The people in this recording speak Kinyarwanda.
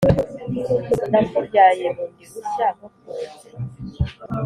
nakubyaye bundi bushya nkukunze